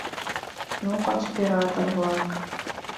Ну, конспиратор-влак...